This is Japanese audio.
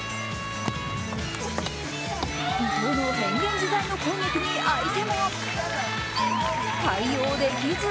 伊藤の変幻自在の攻撃に相手も対応できず。